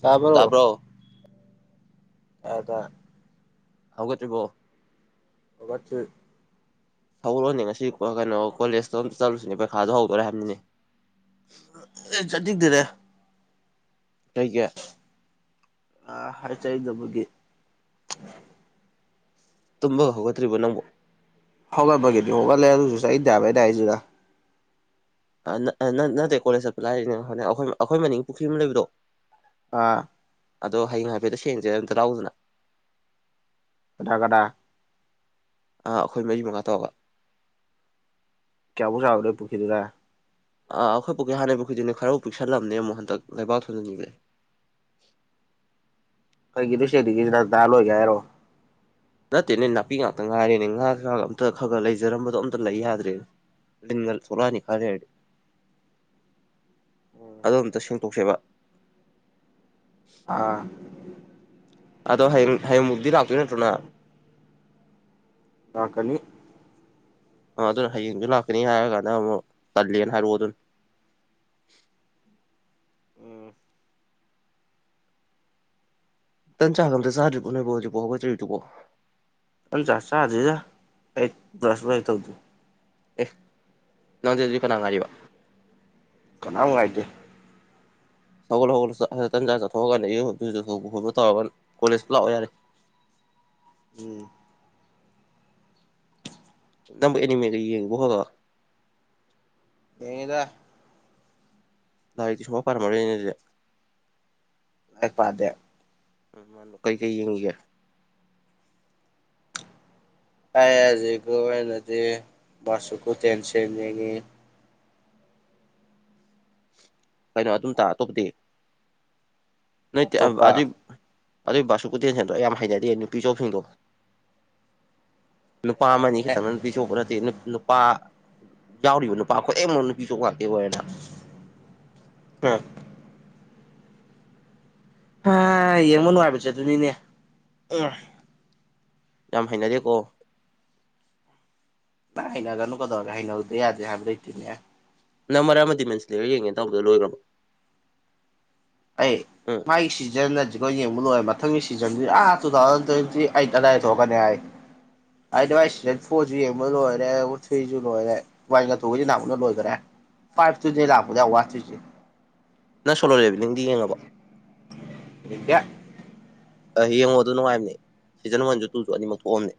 ꯇꯥꯕ꯭ꯔꯣ ꯑꯗ ꯍꯧꯒꯠꯇꯔꯤꯕꯣ ꯑꯕ ꯆꯠ ꯍꯧꯔꯛꯑꯣꯅꯦ ꯉꯁꯤ ꯀꯩꯅꯣ ꯀꯣꯂꯦꯖꯇꯣ ꯑꯃꯝ ꯆꯠꯂꯨꯁꯤꯅꯦ ꯄꯩꯈꯥꯗꯣ ꯍꯧꯗꯣꯔꯦ ꯍꯥꯏꯕꯅꯤꯅꯦ ꯑꯦ ꯆꯠꯖꯤꯗꯔꯦ ꯀꯩ ꯀ ꯑ ꯍꯔ ꯆꯗꯕꯦ ꯇꯨꯝꯕꯒ ꯍꯧꯒꯠꯇ꯭ꯔꯤꯕꯣ ꯅꯪꯕꯨ ꯍꯒ ꯒꯅꯤ ꯍꯒꯂ ꯑꯗꯨꯁꯨꯗꯕꯗ ꯍꯥꯏꯖꯗ ꯅꯠꯇꯦ ꯀꯣꯂꯦꯖ ꯆꯠꯄ ꯂꯥꯛꯔꯤꯅꯤ ꯍ ꯑꯩꯈꯣꯏ ꯑꯩꯈꯣꯏ ꯃꯅꯤꯡ ꯄꯨꯈ꯭ꯔꯤ ꯑꯃ ꯂꯩꯕꯗꯣ ꯑꯥ ꯑꯗꯣ ꯍꯌꯦꯡ ꯍꯥꯏꯐꯦꯠꯇ ꯁꯦꯡꯁꯦ ꯑꯝꯇ ꯂꯥꯎꯎꯗꯅ ꯀꯗꯥ ꯀꯗꯥ ꯑꯥ ꯑꯩꯈꯣꯏ ꯃꯔꯤ ꯃꯉꯥ ꯇꯧꯒ ꯆꯕꯨ ꯁꯥꯗꯣꯏ ꯄꯨꯈꯤꯗꯨꯅ ꯑꯥ ꯑꯩꯈꯣꯏ ꯄꯣꯛꯀꯩ ꯍꯥꯟ ꯂꯩꯩꯕꯨꯈꯗꯤꯅꯦ ꯈꯔꯐꯥꯎ ꯄꯤꯛꯁꯜꯂꯝꯕꯅꯦ ꯑꯃꯨꯛ ꯍꯟꯗꯛ ꯂꯩꯕꯥꯛ ꯊꯖꯅꯤꯡꯁꯦ [inaudible] ꯀꯩꯒꯤꯗꯨꯁꯦꯗꯤꯒꯤꯂꯣꯏꯒꯦ ꯍꯥꯏꯔꯣ ꯅꯠꯇꯦꯅꯦ ꯅꯥꯄꯤ ꯉꯥꯛꯇ ꯉꯥꯏꯔꯦꯅꯦ ꯉꯥ ꯉ ꯑꯝꯇ ꯈꯔ ꯈꯔ ꯂꯩꯖꯔꯝꯕꯗꯣ ꯑꯝꯇ ꯂꯩ ꯌꯥꯗ꯭ꯔꯦꯅꯦ ꯂꯩꯗ ꯁꯨꯔꯥꯅꯤ ꯀꯔ ꯑꯗꯣ ꯑꯝꯇ ꯁꯦꯡꯇꯣꯛꯆꯦꯕ ꯑꯥ ꯑꯗꯣ ꯍꯌꯦꯡ ꯍꯌꯦꯡꯃꯨꯛꯇꯤ ꯂꯥꯛꯇꯣꯏ ꯅꯠꯇ꯭ꯔꯣꯅ ꯀꯀꯅꯤ ꯑ ꯑꯗꯨꯅ ꯍꯌꯦꯡꯁꯨ ꯂꯥꯛꯀꯅꯤ ꯍꯥꯏꯔ ꯀꯥꯟꯗ ꯑꯃꯨꯛ ꯀꯜꯂꯦꯅ ꯍꯥꯏꯔꯛꯑꯣ ꯑꯗꯨꯝ [inaudible] ꯎꯝ ꯇꯟ ꯆꯥ ꯑꯝꯇ ꯆꯥꯗ꯭ꯔꯤꯔꯤꯕꯣ ꯅ ꯄꯣ ꯍꯧꯖꯤꯄꯣꯈꯣꯏ꯭ꯔꯤꯕꯣ ꯑ ꯆ ꯆꯥꯗꯗ ꯑꯩ ꯕ꯭ꯔꯁ ꯭ꯔꯁ ꯇꯧꯗ ꯑꯦ ꯅꯣꯟꯇꯦꯗꯤ ꯀꯅꯥ ꯉꯥꯏꯔꯤꯕ ꯑ ꯍꯥꯏꯥꯏꯗꯦ ꯁꯒꯠ ꯍꯧꯒꯠꯂ ꯇꯟꯖꯥ ꯆꯠꯊꯣꯛꯑꯀꯥꯟꯗ ꯇꯧꯔꯒ ꯀꯣꯂꯦꯖꯨ ꯂꯥꯛꯑꯣ ꯌꯥꯔꯦ [inaudible] [unintelligible] ꯎꯝ ꯗ ꯑꯦꯅꯤꯃꯤ ꯣ ꯑ ꯀꯗ ꯂꯗꯤ ꯁꯕ ꯄꯃꯣꯔ ꯀꯩꯅꯗ ꯐꯗꯦ ꯎ ꯃꯥꯅ ꯀꯩ ꯀꯩ ꯌꯦꯡꯒ ꯑꯩ ꯍꯧꯖꯤ ꯑꯣꯏꯅꯗꯤ ꯃꯁꯨꯀ ꯇꯦꯟꯁꯤꯟꯅꯤꯡꯉꯤ ꯀꯩꯅꯣ ꯑꯗꯨꯝ ꯇꯥꯇꯣꯗꯤꯦ ꯅ ꯑꯇꯣꯞꯄ ꯑꯗꯨꯏ ꯑꯗꯨꯏ ꯕꯥꯁꯨ ꯀꯨꯇꯦꯜ ꯁꯦꯟꯗ꯭ꯔꯣ ꯌꯥꯝ ꯍꯩꯅꯗꯌꯦ ꯅꯨꯄꯤꯆꯧꯁꯤꯡꯗꯣ ꯅꯨꯄꯥ ꯑꯃꯅꯤ ꯌꯥꯔꯦ ꯈꯤꯇꯪꯅ ꯅꯨꯄꯤ ꯆꯣꯛꯄ ꯅꯠꯇꯦ ꯅꯨꯄꯥ ꯌꯥꯎꯔꯤꯕ ꯅꯨꯄꯥ ꯈꯠꯃꯨꯛ ꯅꯨꯄꯤ ꯆꯣꯛꯉ ꯇꯤꯅ ꯍꯥ ꯌꯦꯡꯕ ꯅꯨꯡꯉꯥꯏꯕꯁꯦ ꯑꯗꯨꯅꯤꯅꯦ ꯎ ꯌꯥꯝ ꯍꯩꯅꯗꯦꯀꯣ ꯍꯅꯒꯨ ꯀꯗꯧꯑꯒ ꯍꯥꯏꯅ ꯎꯗ ꯑꯗꯦ ꯍ ꯏꯇꯅ ꯅꯪ ꯃꯔꯥ ꯑꯃꯗꯤ ꯃꯦꯟꯁꯤꯂꯔ ꯌꯦꯡꯉꯦ ꯇꯗ ꯂꯣꯏꯈ꯭ꯔꯕꯣ ꯑꯩ ꯃꯥꯏ ꯁꯤꯖꯅꯖꯤ ꯌꯦꯡꯕꯨ ꯂꯨ ꯃꯊꯪꯒꯤ ꯁꯤꯖꯟꯁꯤꯗꯤ ꯑꯥ ꯇꯨ ꯊꯥꯎꯖꯟ ꯇ꯭ꯋꯦꯟꯇꯤ ꯑꯩꯠ ꯑꯗꯥꯏꯗ ꯊꯣꯛꯀꯅꯤ ꯍꯥꯏ ꯍꯥꯏꯗꯤ ꯋꯥꯏꯁꯤꯗ ꯐꯣꯔꯁꯨ ꯌꯦꯡꯕ ꯂꯣꯏꯔꯦ ꯊ꯭ꯔꯤꯁꯨ ꯂꯣꯏꯔꯦ ꯋꯥꯏꯊꯨꯒꯁꯤ ꯅꯅꯥꯃꯨꯅ ꯂꯣꯏꯈꯔꯦ ꯄꯥꯏꯞꯁꯨꯨ ꯂꯥꯛꯄꯨꯗ ꯋꯥꯆꯨꯆ ꯅꯪ ꯁꯣꯂꯣꯨꯔꯦꯕ ꯅꯤꯡꯗꯤ ꯌꯦꯡꯉꯕ ꯏꯗꯌꯥ ꯑ ꯌꯦꯡꯉꯣ ꯑꯗꯨ ꯅꯨꯡꯉꯥꯏꯕꯅꯦ ꯁꯤꯖꯟ ꯋꯥꯟꯁꯨ ꯇꯨꯁꯨ ꯑꯅꯤꯃꯛ ꯊꯣꯛꯑꯝꯅꯦ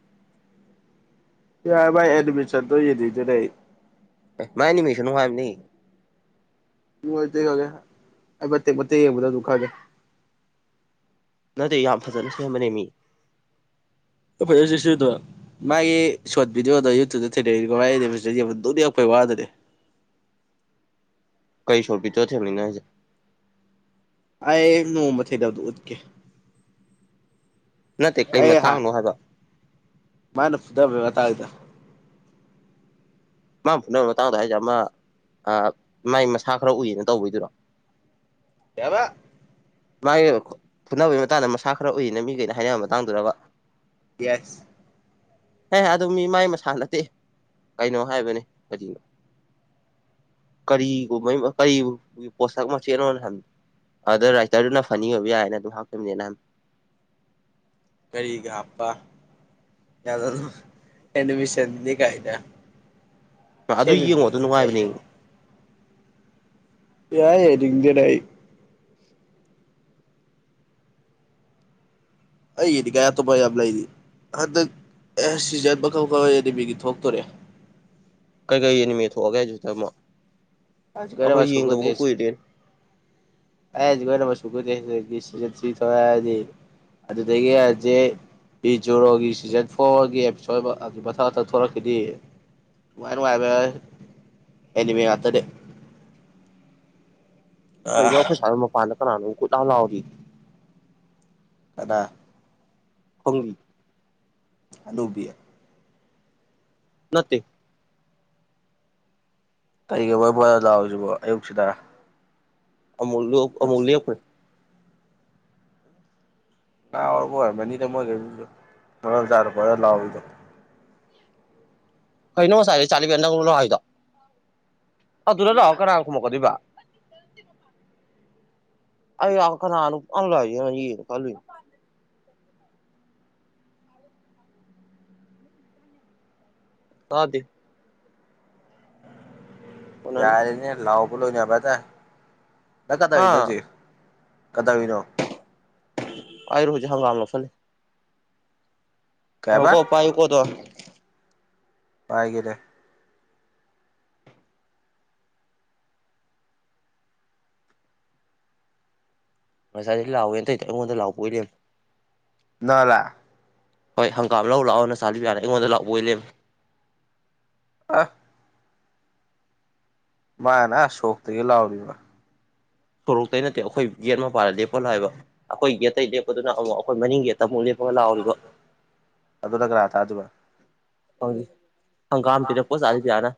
ꯌꯥ ꯥꯏ ꯑꯦꯗꯃꯤꯁꯟ ꯇ ꯌꯦꯔꯤꯗꯤꯔ ꯑꯦ ꯃꯥꯏꯅꯤꯃꯤꯁꯨꯅꯨ ꯍꯥꯏꯝꯅꯤ ꯉꯦꯛ ꯈꯒꯦ ꯑꯩ ꯃꯇꯦꯛ ꯃꯇꯦꯛ ꯌꯦꯡꯕꯗ ꯑꯗꯨ ꯈꯒꯦ ꯅꯠꯇꯦ ꯌꯥꯝ ꯐꯖꯅ ꯁꯦꯝꯕꯅꯦ ꯃꯤ ꯐꯩꯣ ꯁꯤ ꯁꯨꯗꯣ ꯃꯥꯒꯤ ꯁꯣꯔꯠ ꯚꯗꯤꯑꯣꯗꯣ ꯌꯨꯇꯨꯕꯇ ꯊꯅ ꯌꯥꯝ ꯐꯩ ꯋꯥꯗꯗ ꯀꯩ ꯁꯣꯔꯄꯤ ꯆꯠꯊꯕꯅꯤꯅꯁꯦ ꯑ ꯃ ꯊꯗꯧꯗ ꯎꯠꯀꯦ ꯅꯠꯇꯦ ꯀꯩ ꯑꯩ ꯍꯥꯏ ꯃꯇꯥꯡꯅꯣ ꯍꯥꯏꯕ ꯃꯥꯅ ꯐꯨꯊꯕ꯭ꯔꯇꯥꯏꯗ ꯃꯥ ꯐ ꯅꯪ ꯃꯇꯥꯡꯗ ꯍꯥꯏꯖꯃ ꯃꯥꯏ ꯃꯁꯥ ꯈꯔ ꯎꯏꯅ ꯇꯧꯕꯩꯗꯨꯔꯣ ꯌꯥꯕ ꯃꯥꯒꯤ ꯐꯨꯅꯕꯩ ꯃꯇꯗ ꯃꯁꯥ ꯈꯔ ꯎꯏꯅ ꯃꯤꯈꯩꯅ ꯍꯥꯏꯅꯕ ꯃꯇꯥꯡꯗꯨꯔꯕ ꯌꯦꯁ ꯑꯦꯦ ꯑꯗꯨ ꯃꯤ ꯃꯥꯏ ꯃꯁꯥ ꯅꯠꯇꯦ ꯀꯩꯅꯣ ꯍꯥꯏꯕꯅꯤ ꯀꯔꯤꯅꯣ ꯀꯔꯤ ꯀꯨꯝꯍꯩ ꯀꯔꯤ ꯄꯣꯠꯁꯛ ꯃꯆꯦꯠꯅꯣ ꯍꯟ ꯑꯗ ꯔꯥꯏꯇꯔꯗꯨꯅ ꯐꯅꯤ ꯑꯣꯏꯕ ꯌꯥꯏꯅ ꯑꯗꯨꯝ ꯍꯥꯞꯇꯕꯅꯦ ꯅ ꯀꯔꯤꯒꯞꯄ ꯌꯥ ꯑꯦꯅꯃꯤꯁꯟꯗꯤ ꯀꯥꯏꯗ ꯍꯥꯏ ꯑꯗꯨ ꯁꯤꯕꯕꯤ ꯌꯦꯡꯉꯣ ꯑꯗꯨ ꯇꯦ ꯅꯨꯡꯉꯥꯏꯕꯅꯦ ꯌꯥꯏ ꯌꯥꯔ ꯏꯟꯗꯤꯅꯏ ꯑꯩꯗꯤ ꯀꯥꯏ ꯑꯇꯣ ꯄ ꯍꯥꯂꯗꯤ ꯑꯦ ꯁꯤꯖꯠ ꯃꯈꯧ ꯀꯋꯥ ꯌꯥꯗꯦꯕꯤꯒꯤ ꯊꯣꯛꯇꯣꯔꯦ ꯀꯩꯀꯩꯑꯦꯅꯤꯃꯤꯠ ꯊꯣꯛꯑꯒꯦ ꯍꯥꯏꯁꯤꯕꯣ ꯇꯥꯝꯃꯣ ꯑꯖꯀꯔ ꯁꯨꯒ ꯇꯁ ꯑ ꯑꯖꯒꯔ ꯁꯨꯒꯁ ꯊꯣꯛꯔꯛꯑꯅꯤ ꯑꯗꯨꯗꯒꯤ ꯍꯧꯖꯤꯛ ꯄ ꯖꯨꯔꯣꯒꯤ ꯁꯤꯖꯟ ꯐꯣꯔꯒꯤ ꯑꯦꯄꯤꯁꯣꯠ ꯑꯗꯨ ꯃꯊꯪ ꯃꯊꯪ ꯊꯣꯛꯂꯛꯈꯤꯅꯤ ꯅꯨꯡꯉꯥꯢ ꯅꯨꯡꯉꯥꯢꯕ ꯑꯦꯅꯤꯃꯤ ꯉꯛꯇꯅꯤ ꯀꯩꯅꯣ ꯑꯥ ꯑꯩꯈꯣꯢꯁꯥꯢꯗ ꯃꯄꯥꯟꯗ ꯀꯅꯥꯅꯣꯝꯃ ꯀꯣꯢꯂꯥꯎ ꯂꯥꯎꯔꯤꯌꯦ ꯀꯅꯥ ꯈꯪꯗꯤꯌꯦ ꯑꯗꯣꯕꯤ ꯅꯠꯇꯦ ꯀꯩꯒꯤꯅꯣ ꯃꯅꯥ ꯂꯥꯎꯔꯤꯁꯤꯕꯣ ꯑꯌꯨꯛꯁꯤꯗꯔꯥ ꯑꯃꯨꯛ ꯂꯣꯛ ꯑꯃꯨꯛ ꯂꯦꯞꯈ꯭ꯔꯦ ꯉꯥꯎꯕ ꯑꯣꯢꯔꯝꯒꯅꯤꯗꯥ ꯃꯣꯏ ꯢꯃꯨꯡꯖꯨ ꯃꯔꯝ ꯆꯥꯗꯅ ꯀꯣꯢꯂꯥꯎ ꯂꯥꯎꯔꯤꯗꯣ ꯀꯩꯅꯣ ꯉꯁꯥꯏꯗ ꯆꯥꯂꯤ ꯅꯪꯂꯣ ꯂꯥꯎꯔꯤꯗꯣ ꯑꯗꯨꯗ ꯂꯥꯎꯔꯒ ꯀꯅꯅꯥ ꯈꯨꯝꯃꯛꯀꯗꯧꯔꯤꯕ ꯑꯩ ꯀꯅꯥꯅꯣ ꯀꯣꯏꯂꯥꯎ ꯂꯥꯎꯔꯤꯖꯦ ꯀꯅꯅꯣ ꯈꯜꯂꯤꯁꯦ ꯇꯥꯗꯦ ꯀꯣꯟꯅꯅꯤ ꯌꯥꯔꯦꯅꯦ ꯂꯥꯎꯕ ꯂꯣꯏꯅꯔꯕ ꯅꯠꯇꯔ ꯅꯪ ꯀꯩ ꯇꯧꯔꯤꯅꯣ ꯍꯥ ꯍꯧꯖꯤꯛ ꯀꯗꯧꯅꯣ ꯑꯩꯔꯣ ꯍꯧꯖꯤ ꯍꯪꯒꯥꯝ ꯂꯧꯁꯤꯜꯂꯤ ꯀꯩꯕ ꯉꯥꯢꯈꯣꯀꯣ ꯄꯥꯏꯌꯨꯀꯣ ꯑꯗꯨꯝ ꯄꯥꯏꯒꯦꯅꯦ ꯉꯁꯥꯏ ꯂꯥꯎꯕꯅꯦ ꯇꯧꯏꯗꯣ ꯑꯩꯉꯣꯟꯗ ꯂꯥꯎꯕ ꯑꯣꯏꯂꯩꯔꯝꯃꯦ ꯅ ꯂ ꯍꯣꯏ ꯍꯪꯒꯥꯝ ꯂꯧ ꯂꯥꯛꯑꯣꯅ ꯆꯥꯂꯤꯕ ꯌꯥꯅꯤ ꯑꯩꯉꯣꯟꯗ ꯂꯥꯎꯕ ꯑꯣꯏ ꯂꯩꯔꯝꯃꯦ ꯑꯥ ꯃꯥꯅ ꯑꯥ ꯁꯣꯔꯣꯛꯇꯒꯤ ꯂꯥꯎꯔꯝꯃꯤꯕ ꯁꯣꯔꯣꯛꯇꯇꯩ ꯅꯠꯇꯦ ꯑꯩꯈꯣꯏ ꯒꯦꯠ ꯃꯄꯄꯥꯗ ꯂꯦꯞꯄꯒ ꯂꯥꯎ ꯂꯩꯔꯝꯃꯤꯕ ꯥ ꯑꯩꯈꯣꯏ ꯒꯠꯇꯩ ꯂꯦꯞꯄꯗꯨꯅ ꯑꯃꯨꯛ ꯑꯩꯈꯣꯏ ꯃꯅꯤꯡ ꯒꯦꯠꯇ ꯑꯃꯨꯛ ꯂꯦꯞꯄ ꯑꯗꯨꯗ ꯀꯅꯅꯥ ꯇꯥꯗꯣꯏꯕ ꯈꯪꯗꯦ ꯍꯪꯒꯥꯝ ꯄꯤꯔꯛꯄꯥꯖꯅꯤ ꯖꯤꯌꯅ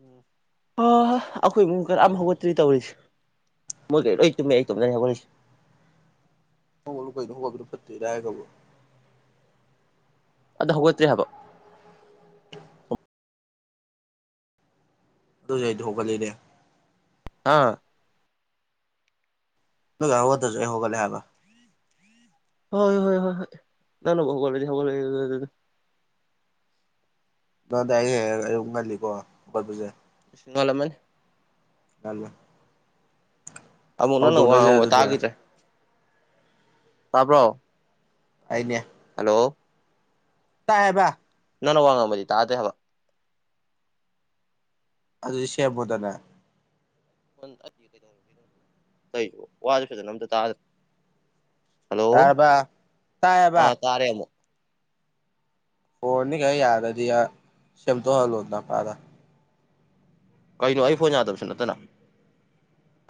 ꯎꯝ ꯑ ꯑꯩꯈꯣꯏ ꯏꯃꯨꯡ ꯀꯅꯥꯝ ꯍꯧꯒꯠꯇ꯭ꯔꯤ ꯇꯧꯔꯤꯁꯦ ꯃꯣꯏꯒꯩ ꯂꯣꯏ ꯇꯨꯝꯃꯦ ꯑꯩ ꯏꯇꯣꯝꯇꯅꯤ ꯍꯧꯒꯠꯔꯤꯁꯦ ꯍꯧꯒꯠꯂꯨ ꯀꯩꯅꯣ ꯍꯧꯒꯠꯄ ꯐꯠꯇꯦ ꯍꯥꯏꯒꯕꯣ ꯑꯗꯣ ꯍꯧꯒꯠꯇ꯭ꯔꯤ ꯍꯥꯏꯕ ꯑꯗꯨꯁꯨ ꯑꯩꯗꯤ ꯍꯧꯒꯠꯂꯦꯅꯦ ꯑꯥ ꯃꯣꯏ ꯀꯅꯥꯝ ꯍꯧꯒꯠꯇꯔꯁꯨ ꯑꯩꯗꯤ ꯍꯧꯒꯠꯂꯦ ꯍꯥꯏꯕ ꯍ ꯍꯣꯏ ꯍꯣꯏ ꯍꯣꯏ ꯅꯪꯅ ꯍꯧꯒꯠꯔꯗꯤ ꯍꯧꯒꯠꯂꯦ ꯍꯥꯏꯕꯗꯨꯅꯤ ꯅꯪꯒ ꯑꯩꯒ ꯌꯦꯡꯅꯔꯗꯤ ꯑꯌꯨꯛ ꯉꯜꯂꯤꯀꯣ ꯍꯧꯒꯠꯄꯁꯦ ꯉꯂꯝꯃꯅꯤ ꯉꯜꯂꯦ ꯑꯃꯨꯛ ꯅꯪ ꯋꯥ ꯍꯧꯗꯣꯛꯅꯁꯦ ꯉꯥꯡꯕ ꯑꯗꯨꯗꯤ ꯇꯥꯈꯤꯗ꯭ꯔꯦ ꯇꯥꯕ꯭ꯔꯣ ꯑꯩꯅꯦ ꯍꯜꯂꯣ ꯇꯥꯏꯌꯦ ꯕꯥꯏ ꯅꯪꯅ ꯋꯥ ꯉꯥꯡꯕꯗꯤ ꯇꯥꯗꯔꯦ ꯍꯥꯏꯕ ꯑꯗꯨꯗꯤ ꯁꯦꯃꯣꯗꯅ ꯐꯣꯟ ꯇꯠꯂꯤꯁꯦ ꯒꯩꯗꯧꯔꯒꯦ ꯅꯪꯕꯣ ꯋꯥꯖꯦ ꯐꯖꯅ ꯑꯝꯇ ꯇꯥꯗꯔꯦ ꯇꯕꯥ ꯇꯥꯏꯕ ꯇꯥꯔꯦ ꯑꯃꯨꯛ ꯐꯣꯟꯅꯤ ꯀꯌꯥ ꯌꯥꯔꯗꯤ ꯁꯤꯝꯇꯣ ꯍꯜꯂꯣꯅ ꯄꯥꯔ ꯀꯩꯅꯣ ꯑꯩ ꯐꯣꯟ ꯌꯥꯗꯕꯁꯨ ꯅꯠꯇꯅ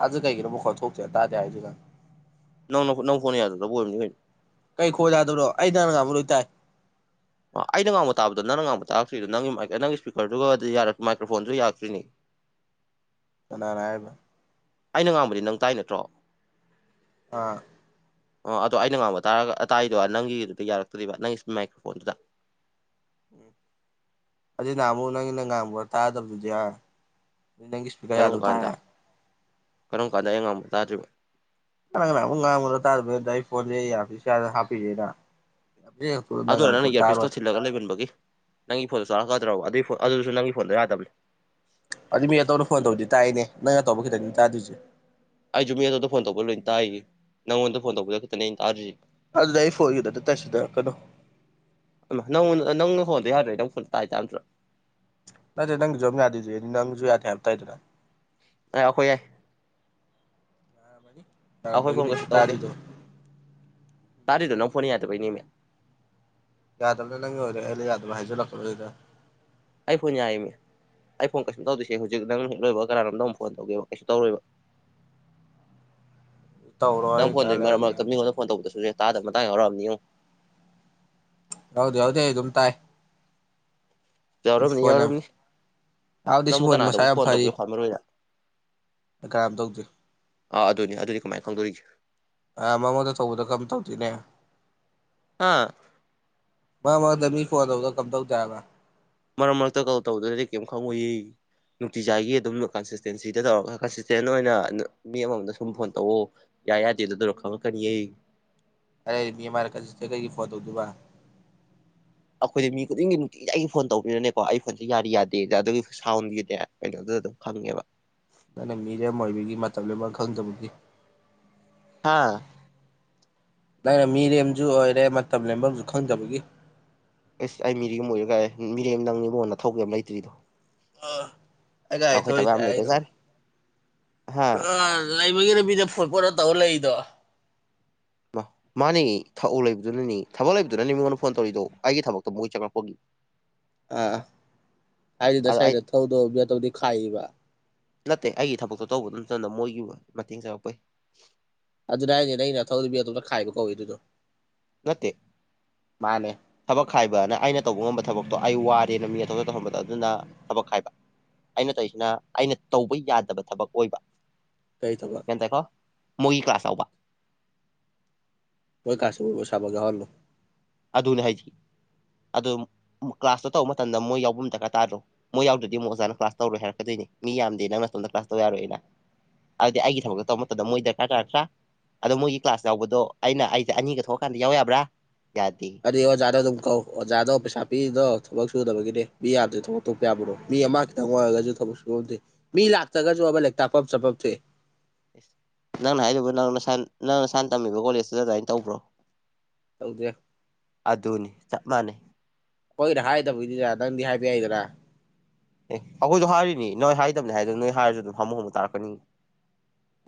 ꯑꯖ ꯀꯥꯏ ꯀꯔ ꯐꯣ ꯊ ꯊꯣꯛꯦ ꯇꯖꯦ ꯍꯥꯏꯖꯒ ꯅꯧ ꯅꯧ ꯐꯣꯟ ꯌꯥꯗ ꯇꯕꯨꯣ ꯀꯩ ꯈꯣꯏ ꯌꯥꯗꯕ꯭ꯔꯣ ꯑꯩ ꯅꯅ ꯉꯕ ꯂꯣꯏ ꯇꯥꯏ ꯑꯩꯅ ꯉꯥꯡꯕ ꯇꯥꯕꯗꯣ ꯅꯪꯅ ꯉꯥꯡꯕ ꯇꯥꯔꯛꯇ꯭ꯔꯤꯗꯣ ꯅꯪꯒꯤ ꯅꯪꯒꯤ ꯏꯁꯄꯤꯀꯔꯗꯨꯒ ꯃꯥꯏꯀ꯭ꯔꯣꯐꯣꯟꯗꯨꯁꯨ ꯌꯥꯔꯛꯇ꯭ꯔꯤꯅꯤ [inaudible] ꯀꯅꯥꯔꯕ ꯑꯩꯅ ꯉꯥꯡꯕꯗꯤ ꯅꯪ ꯇꯥꯏ ꯅꯠꯇ꯭ꯔꯣ ꯑꯥ ꯑꯣ ꯑꯗꯣ ꯑꯩꯅ ꯉꯥꯡꯕ ꯇꯥꯔꯒ ꯑꯥꯏꯗꯣ ꯅꯪꯒꯤꯗꯨꯗ ꯌꯥꯔꯛꯇꯔꯤꯕ ꯅꯪꯒꯤ ꯃꯥꯏꯀ꯭ꯔꯣ ꯐꯣꯟꯗꯨꯗ ꯎ ꯑꯗꯨ ꯅꯃꯨ ꯅꯪꯒꯤ ꯅꯪ ꯉꯥꯡꯃ ꯇꯥꯗꯕꯗꯨꯗꯤ ꯅꯪꯒꯤ ꯏꯁꯄꯤꯀꯔ ꯀꯔꯝ ꯌꯥꯗ ꯎ ꯀꯥꯟꯗ ꯇꯥꯔꯦ ꯀꯔꯝ ꯀꯥꯟꯗ ꯑꯩꯉꯥꯡꯕ ꯇꯥꯗ꯭ꯔꯤꯕ ꯀ ꯀꯨꯡ ꯉꯂ ꯇꯔꯗꯏ ꯐꯣꯟ ꯍꯥꯐꯤꯁ ꯍꯥꯞꯄꯤꯤꯔ ꯑꯗꯨꯅ ꯅꯪꯅ ꯏꯌꯥꯔꯄꯤꯤꯁꯇꯣ ꯊꯤꯜꯂꯒ ꯂꯩꯃꯟꯕꯒꯤ ꯅꯪꯒꯤ ꯐꯣꯟ ꯆꯥꯔꯛꯀꯗ꯭ꯔꯕ ꯑꯗꯨꯒꯤ ꯑꯗꯨꯗꯨꯁꯨ ꯅꯪꯒꯤ ꯐꯣꯟꯗ ꯌꯥꯗꯕꯅꯦ ꯑꯗꯨ ꯃꯤ ꯑꯇꯣꯝꯅ ꯐꯣꯟ ꯇꯧꯕꯗꯤ ꯇꯥꯛꯏꯅꯦ ꯅꯪ ꯑꯇꯣꯞꯄ ꯈꯤꯇꯪꯗꯤ ꯇꯥꯗꯣꯏꯁꯦ ꯑꯩꯁꯨꯖ ꯃꯤ ꯑꯇꯣꯝꯗ ꯐꯣꯟ ꯇꯧꯕ ꯂꯣꯏꯅ ꯇꯥꯏꯌꯦ ꯅꯪꯉꯣꯟꯗ ꯐꯣꯟ ꯇꯧꯕꯗ ꯈꯛꯇꯅꯦ ꯑꯩꯅ ꯇꯥꯔꯤꯁꯤꯦ ꯑ ꯂꯩ ꯐꯗ ꯑꯗꯨ ꯇꯁꯤꯗꯔꯀꯩꯅꯣ ꯐꯣꯟ ꯌꯥꯔ꯭ꯔꯦ ꯅꯪ ꯐ ꯇꯥꯏ ꯆꯥꯗ꯭ꯔꯣ ꯅꯠꯇ ꯅꯪ ꯝ ꯌꯥꯗꯤꯖ ꯅꯪꯁꯨ ꯌꯥ ꯊ ꯍꯥꯏꯕ ꯇꯥꯏꯗꯅ ꯑ ꯑꯩꯈꯣꯏ ꯌꯥꯏ ꯑꯩꯈꯣꯏ ꯐꯣꯟ ꯌꯥꯔꯝꯕꯒꯤꯅꯤ ꯀꯁꯤ ꯇꯧꯗꯦ ꯇꯥꯗ꯭ꯔꯤꯗꯣ ꯇꯥꯔꯦꯗꯅ ꯐꯣꯟꯅꯤꯗꯕꯅꯤꯃꯦ ꯌꯥꯗꯕꯅꯦ ꯅꯪ ꯑꯣꯏꯔꯦ ꯍꯥꯏꯂ ꯌꯥꯗꯕ ꯍꯥꯏꯁꯨ ꯂꯛꯄ꯭ꯔꯣꯏꯗ ꯑ ꯐꯣꯟ ꯌꯥꯏꯃꯦ ꯑꯩ ꯐꯣꯟ ꯀꯩꯁꯨꯝ ꯇꯧꯗꯣꯏꯁꯦ ꯍꯧꯖꯤꯛ ꯅꯪ ꯍꯦꯛ ꯂꯣꯏꯕ ꯀꯅꯥꯔꯣꯝꯗ ꯑꯃꯨꯛ ꯐꯣꯟ ꯇꯧꯒꯦꯕ ꯀꯩꯁꯨ ꯇꯧꯔꯣꯏꯕ ꯇꯧꯔꯣ ꯅꯪ ꯑꯩ ꯉꯥꯏꯍꯥꯛ ꯐꯣꯟꯗꯣꯏ ꯃꯔꯛ ꯂꯩꯔꯒ ꯌꯦꯡꯉꯒꯦ ꯃꯔꯛꯇ ꯃꯤꯉꯣꯟꯗ ꯐꯣꯟ ꯇꯧꯕꯗꯁꯨ ꯌꯥ ꯇꯥꯗꯕ ꯃꯇꯥꯡ ꯌꯥꯎꯔꯛꯑꯅꯤꯨ ꯍꯧꯗ ꯍꯎꯗꯦ ꯑꯗꯨꯝ ꯇꯥꯏ ꯌꯥꯎꯔꯝꯅꯤ ꯣ ꯌꯥꯎꯔꯝꯅꯤ ꯌꯥꯝꯁꯤ ꯅꯪꯕꯨ ꯐꯣ ꯃꯁꯥꯏ ꯀꯅꯥꯗꯕꯨ ꯌꯥꯝ ꯐꯣꯟ ꯐꯗꯤ ꯇꯧꯒꯦ ꯈ꯭ꯋꯥꯏ ꯃꯔꯨ ꯑꯣꯏꯅ ꯀꯔꯝ ꯇꯧꯗꯦ ꯑꯥ ꯑꯗꯨꯅꯤ ꯑꯗꯨꯅꯤ ꯀꯃꯥꯏꯅ ꯈꯪꯗꯣꯔꯤꯒꯦ ꯑ ꯃꯉꯣꯟꯗ ꯇꯧꯕꯗ ꯀꯝ ꯇꯧꯗꯣꯏꯅꯦ ꯍꯥ ꯃ ꯃꯗꯃꯤ ꯐꯣꯟꯅ ꯇꯧꯗ ꯀꯝ ꯇꯛ ꯌꯥꯒ ꯃꯔꯛ ꯃꯔꯛꯇ ꯀꯧ ꯇꯧꯗꯅꯗꯤ ꯀꯔꯤꯝ ꯈꯪꯉꯨꯏ ꯅꯨꯡꯇꯤꯖꯥꯏꯒꯤ ꯑꯗꯨꯝ ꯀꯟꯁꯤꯁꯇꯦꯟꯁꯤꯗ ꯇꯧꯔꯒ ꯀꯟꯁꯤꯁꯇꯦꯟ ꯑꯣꯏꯅ ꯃꯤ ꯑꯃꯃꯝꯗ ꯁꯨꯝ ꯐꯣꯟ ꯇꯧꯑꯣ ꯌꯥꯏ ꯌꯥꯗꯦ ꯑꯗꯨ ꯑꯗꯨꯔ ꯈꯪꯉꯛꯀꯅꯤꯌꯦ ꯑꯔ ꯃꯤꯔꯀ ꯀꯩꯒꯤ ꯐꯣꯟ ꯇꯧꯗꯨꯕ ꯑꯩꯈꯣꯏꯗꯤ ꯃꯤ ꯈꯨꯗꯤꯡꯒꯤ ꯅꯨꯡꯇꯤꯒꯤ ꯑꯩꯒꯤ ꯐꯣꯟ ꯇꯧꯕꯅꯤꯅꯅꯦꯀꯣ ꯑꯩ ꯐꯣꯟꯁꯦ ꯌꯥꯔꯤ ꯌꯥꯗꯦꯗ ꯑꯗꯨꯒꯤ ꯁꯥꯎꯟꯒꯤꯗꯤꯩꯅꯣ ꯑꯗꯨ ꯑꯗꯨꯝ ꯈꯪꯉꯦꯕ ꯅꯪꯅ ꯃꯤꯔꯦꯝ ꯑꯣꯏꯕꯒꯤ ꯃꯇꯝꯗꯨ ꯑꯃ ꯈꯪꯗꯕꯒꯤ ꯍꯥꯥ ꯅꯪꯅ ꯃꯤꯔꯦꯝꯁꯨ ꯑꯣꯏꯔꯦ ꯃꯇꯝ ꯂꯦꯝꯕꯁꯨ ꯈꯪꯗꯕꯒꯤ ꯑꯦꯁ ꯑꯩ ꯃꯤꯔꯤꯦꯝꯝ ꯑꯣꯏꯔ ꯀ ꯃꯤꯔꯦꯝ ꯅꯪꯅꯤꯡꯕꯣꯟꯅ ꯊꯧꯕ ꯑꯃ ꯂꯩꯇ꯭ꯔꯤꯗꯣ ꯑꯥ ꯑꯩ ꯒꯥꯔꯤ ꯑꯈꯣꯏ ꯊꯕꯦ ꯌꯥꯝꯝ ꯂꯩꯕ ꯆꯔ ꯂꯩꯕꯒꯤ ꯂꯝꯕꯤꯗ ꯐꯣꯟ ꯄꯣꯠꯂ ꯇꯧꯔ ꯂꯩꯏꯗꯣ ꯃꯥꯅꯦ ꯊꯛꯎ ꯂꯩꯕꯗꯨꯅꯅꯤ ꯊꯕꯛ ꯂꯩꯕꯗꯨꯅꯅꯤ ꯃꯉꯣꯟꯗ ꯐꯣꯟ ꯇꯧꯔꯤꯗꯣ ꯑꯩꯒꯤ ꯊꯕꯛꯇꯣ ꯃꯣꯏ ꯆꯪꯪꯂꯛꯄꯒꯤ [unintelligible] ꯑ ꯍꯥꯏꯗꯤ ꯑꯩ ꯇꯁꯥꯏꯗ ꯊꯧꯗ ꯇꯧꯗꯤ ꯈꯥꯏꯕ ꯅꯠꯇꯦ ꯑꯩꯒꯤ ꯊꯕꯛꯇꯣ ꯇꯧꯕ ꯅꯠꯇꯅ ꯃꯣꯏꯒꯤ ꯃꯇꯦꯡ ꯆꯥꯎꯔꯛꯄꯩ ꯑꯗꯨꯗ ꯍꯥꯏꯅꯤꯅ ꯑꯩꯅ ꯊꯧꯔꯤꯕ ꯑ ꯑꯗꯨꯣꯝ ꯈꯥꯏꯕ ꯀꯧꯏꯤ ꯑꯗꯨꯗꯣ ꯅꯠꯇꯦ ꯃꯥꯅꯦ ꯊꯕꯛ ꯍꯥꯏꯕꯅ ꯑꯩꯅ ꯇꯧꯕ ꯉꯝꯕ ꯊꯕꯛꯇꯣ ꯑꯩ ꯋꯥꯔꯦꯅ ꯃꯤ ꯑꯊꯧꯖ ꯇꯧꯍꯝꯕꯗ ꯑꯗꯨꯅ ꯊꯕꯛ ꯍꯥꯏꯥꯏꯕ ꯑꯩꯅ ꯇꯧꯔꯤꯁꯤꯅ ꯑꯩꯅ ꯇꯧꯕ ꯌꯥꯗꯕ ꯊꯕꯛ ꯑꯣꯏꯕ ꯀꯩ ꯊꯕ ꯒ꯭ꯌꯥꯟ ꯇꯥꯏꯀꯣ ꯃꯣꯏꯒꯤ ꯀ꯭ꯂꯥꯁꯎꯕ ꯍꯣꯏ ꯀꯁꯤꯕꯨꯕ ꯁꯕꯒꯦ ꯍꯜꯂꯣ ꯑ ꯑꯗꯨꯅ ꯍꯥꯏꯁꯤ ꯑꯗꯨ ꯀ꯭ꯂꯥꯁꯇꯣ ꯇꯧꯕ ꯃꯇꯝꯗ ꯃꯣꯏ ꯌꯥꯎꯕ ꯑꯃ ꯗꯔꯀꯥꯔ ꯇꯥꯔ꯭ꯔꯣ ꯃꯣꯏ ꯌꯥꯎꯗ꯭ꯔꯗꯤ ꯑꯃꯨꯛ ꯑꯣꯖꯥꯅ ꯀ꯭ꯂꯥꯁ ꯇꯧꯔꯣꯏ ꯍꯥꯏꯔꯛꯀꯗꯣꯏꯅꯤ ꯃꯤ ꯌꯥꯝꯗꯦ ꯅꯪ ꯅꯣꯝꯗ ꯀ꯭ꯂꯥꯁ ꯇꯧ ꯌꯥꯔꯣꯏꯅ ꯑꯗꯨꯗꯤ ꯑꯩꯒꯤ ꯊꯕꯛꯇ ꯇꯧꯕ ꯃꯇꯝꯗ ꯃꯣꯏ ꯗꯔꯀꯥꯔ ꯇꯥꯔꯗ꯭ꯔꯥ ꯑꯗꯣ ꯃꯣꯏꯒꯤ ꯀ꯭ꯂꯥꯁ ꯌꯥꯎꯕꯗꯣ ꯑꯩꯅ ꯑꯩꯁꯦ ꯑꯅꯤꯒ ꯊꯣꯛꯑꯀꯥꯟꯗ ꯌꯥꯎ ꯌꯥꯕ꯭ꯔꯥ ꯌꯥꯗꯦ ꯑꯔ ꯑꯣ ꯌꯥꯥꯗꯣ ꯇ ꯀꯣ ꯑꯣꯖꯥꯗꯣ ꯄꯩꯁꯥ ꯄꯤꯗꯣ ꯊ ꯁꯨꯗꯕꯒꯤꯅꯦ ꯃꯤ ꯌꯥꯗ꯭ꯔꯦ ꯊꯕꯛ ꯇꯄ ꯌꯥꯕ꯭ꯔꯣ ꯃꯤ ꯑꯃ ꯈꯤꯇꯪ ꯑꯣꯏꯔꯒꯁꯨ ꯊꯕꯛ ꯁꯨꯕꯝꯗꯦ ꯃꯤ ꯂꯥꯛꯇ꯭ꯔꯒꯁꯨ ꯇꯄꯞ ꯆꯄꯞ ꯊꯦ ꯅꯪꯅ ꯍꯥꯏꯖꯔꯤꯕ ꯅꯪꯅ ꯅꯪꯅ ꯁꯥꯟ ꯇꯝꯃꯤꯕ ꯀꯣꯂꯦꯖꯇꯨꯗ ꯑꯗꯨꯃꯥꯏꯅ ꯇꯧꯕ꯭ꯔꯣ ꯇꯧꯗꯦ ꯑꯗꯨꯅꯤ ꯆꯞ ꯃꯥꯟꯅꯩ ꯈꫭꯏꯅ ꯍꯥꯏꯗꯕꯒꯤꯅꯤꯗꯅ ꯅꯪꯗꯤ ꯍꯥꯏꯕ ꯌꯥꯏꯗꯅꯥ ꯑꯦ ꯑꯩꯈꯣꯏꯁꯨ ꯍꯥꯏꯔꯤꯅꯦ ꯅꯣꯏ ꯍꯥꯏꯗꯕꯅꯦ ꯍꯥꯏ ꯅꯣꯏ ꯍꯥꯏꯔꯁꯨ ꯑꯗꯨꯝ ꯍꯥꯃꯨ ꯍꯥꯃꯨ ꯇꯥꯔꯛꯀꯅꯤ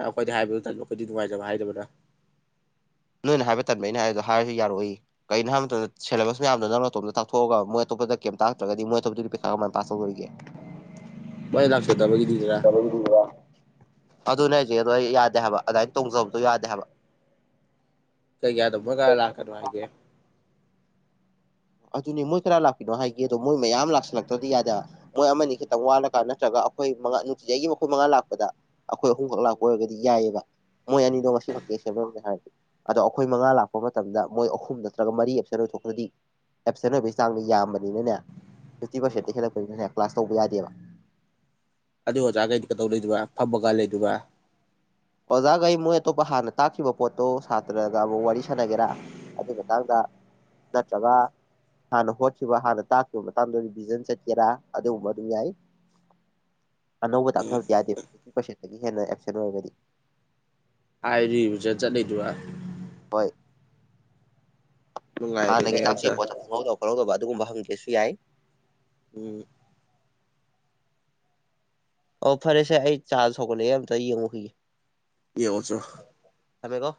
ꯑꯩꯈꯣꯏꯗꯤ ꯍꯥꯏꯕꯗꯨ ꯇꯟꯕ ꯑꯩꯈꯣꯏꯗꯤ ꯅꯨꯡꯉꯥꯏꯖꯕ ꯍꯥꯏꯗꯕꯅ ꯅꯣꯏꯅ ꯍꯥꯏꯕ ꯇꯟꯕꯩꯅꯦ ꯍꯥꯏꯗ ꯍꯥꯏꯔꯁꯨ ꯌꯥꯔꯛꯑꫭꯏꯌꯦ ꯀꯩꯅꯅꯣ ꯍꯥꯏꯕ ꯃꯇꯝꯗ ꯁꯦꯂꯦꯚꯁ ꯃꯌꯥꯝꯗꯣ ꯅꯪ ꯅꯇꯣꯝꯗ ꯇꯥꯛꯊꯣꯛꯑꯒ ꯃꫭꯏ ꯑꯇꯣꯞꯄꯗ ꯀꯦꯝ ꯇꯥꯛꯇ꯭ꯔꯒꯗꯤ ꯃꯣꯏ ꯑꯇꯣꯞꯄ ꯄꯤꯈꯥ ꯀꯃꯥꯏꯅ ꯄꯥꯥꯁ ꯇꯧꯗꫭꯔꯤꯒꯦ ꯃꫭꯏꯅ ꯂꯥꯛꯆꯗꯕ ꯒꯤꯅꯤꯗꯅ ꯑꯗꯨꯅꯦ ꯍꯥꯏꯁꯦ ꯑꯗꯣ ꯑꯩ ꯌꯥꯗꯦ ꯍꯥꯏꯕ ꯑꯗꯨꯃꯥꯏꯅ ꯇꯣꯡꯖꯕꯗꯣ ꯌꯥꯗꯦ ꯍꯥꯏꯕ ꯀꯩ ꯌꯥꯗꯕ ꯃꫭꯏ ꯀꯅꯥ ꯂꯥꯛꯀꯅꫭ ꯍꯥꯏꯒꯦ ꯑꯗꯨꯅꯤ ꯃꯣꯏ ꯀꯔ ꯂꯥꯛꯄꯤꯅꯣ ꯍꯥꯏꯒꯦ ꯑꯗꯣ ꯃꯣꯏ ꯃꯌꯥꯝ ꯂꯥꯛꯁꯤꯜꯂꯛꯇ꯭ꯔꯗꯤ ꯌꯥꯗ‌ꯦ ꯍꯥꯏ ꯃꯣꯏ ꯑꯃꯅꯤ ꯈꯤꯇꯪ ꯋꯥꯠꯂꯒ ꯅꯠꯇ꯭ꯔꯒ ꯑꯩꯈꯣꯏ ꯃꯉꯥ ꯅꯨꯡꯇꯤꯖꯩꯒꯤ ꯑꯈꯣꯏ ꯃꯉꯥ ꯂꯥꯛꯄꯗ ꯑꯩꯈꯣꯏ ꯑꯍꯨꯝꯈꯛ ꯂꯥꯛꯄ ꯑꯣꯏꯔꯒꯗꯤ ꯌꯥꯏꯑꯕ ꯃꯣꯏ ꯑꯅꯤꯗꯣ ꯉꯁꯤ ꯈꯛꯇ ꯑꯦꯕꯁꯦꯟ ꯑꫭꯏꯕꯅꯤ ꯍꯥꯏꯔꯗꯤ ꯑꯗꯣ ꯑꯩꯈꯣꯏ ꯃꯉꯥ ꯂꯥꯛꯄ ꯃꯇꯝꯗ ꯃꯣꯏ ꯑꯍꯨꯝ ꯅꯠꯇ꯭ꯔꯒ ꯃꯔꯤ ꯑꯦꯕꯁꯦꯟ ꯑꫭꯏ ꯊꫭꯛꯈ꯭ꯔꯗꯤ ꯑꯦꯞꯁꯦꯟ ꯑꯣꯏꯕꯒꯤ ꯆꯥꯡꯗ ꯌꯥꯝꯕꯅꯤꯅꯅꯦ ꯐꯤꯐꯇꯤ ꯎꯝ ꯄꯥꯔꯁꯦꯟꯗꯤ ꯍꯦꯠꯂꯛꯄꯅꯤꯅꯅꯦ ꯀ꯭ꯂꯥꯁ ꯇꯧꯕ ꯌꯥꯗꯦꯕ ꯑꯗꯨ ꯑꯣꯖꯥꯈꯩꯗꯤ ꯀꯩꯗꯧ ꯂꯩꯗꫭꯏꯕ ꯐꯝꯃꯒ ꯂꯩꯗꫭꯏꯕ ꯑꯣꯖꯥꯒꯩ ꯃꯣꯏ ꯑꯇꯣꯞꯄ ꯍꯥꯟꯅ ꯇꯥꯛꯈꯤꯕ ꯄꯣꯠꯇꯣ ꯁꯥꯇ꯭ꯔꯒ ꯑꯃꯨꯛ ꯋꯥꯔꯤ ꯁꯥꯟꯅꯒꯦꯔꯥ ꯑꯗꯨꯒꯤ ꯃꯇꯥꯡꯗ ꯅꯠꯇ꯭ꯔꯒ ꯍꯥꯟꯅ ꯍꯣꯠꯈꯤꯕ ꯍꯥꯟꯅ ꯇꯥꯛꯈꯤꯕ ꯃꯇꯥꯡꯗ ꯔꯤꯚꯤꯖꯟ ꯆꯠꯀꯦꯔꯥ ꯑꯗꯨꯒꯨꯝꯕ ꯑꯗꯨꯝ ꯌꯥꯏ ꯑꯅꯧꯕ ꯎꯝ ꯇꯥꯛꯊꯕꯗꯤ ꯌꯥꯗꯦꯕ ꯐꯤꯐꯇꯤ ꯄꯥꯔꯁꯦꯟꯗꯒꯤ ꯍꯦꯟꯅ ꯑꯦꯕꯁꯦꯟ ꯑꯣꯏꯔꯒꯗꯤ ꯍꯥꯏꯔꯗꯤ ꯔꯤꯚꯤꯖꯟ ꯆꯠ ꯂꯩꯗꯨꯔꯥ [inaudible] ꯅꯨꯡꯉꯥꯏꯔꯦꯅꯦ ꯍꯥꯟꯅꯒꯤ ꯑꯣꯖꯥ ꯇꯥꯛꯈꯤꯕ ꯄꯣꯠꯇ ꯈꯪꯍꯧꯗꯕ ꯈꯪꯍꯧꯗꯕ ꯑꯗꯨꯒꯨꯝꯕ ꯍꯪꯒꯦꯁꯨ ꯌꯥꯏ ꯎꯝ ꯑꯣ ꯐꯔꯦꯁꯦ ꯑꯩ ꯆꯥ ꯁꯧꯒꯠꯂꯛꯑꯦ ꯑꯝꯇ ꯌꯦꯡꯉꯨꯈꯤꯒꯦ ꯌꯦꯡꯉꯨꯆꫭ ꯊꯝꯃꯦꯀꫭ